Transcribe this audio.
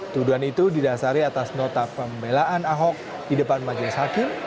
tuduhan itu didasari atas nota pembelaan ahok di depan majelis hakim